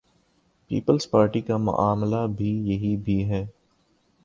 Peoples Party کا معاملہ بھی یہی بھی ہے۔